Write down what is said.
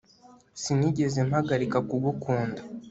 Sinigeze mpagarika kugukunda